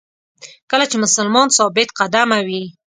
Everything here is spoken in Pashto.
کله چې مسلمان ثابت قدمه وي.